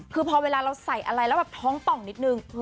คือพอเวลาเราใส่อะไรแล้วแบบท้องป่องนิดนึง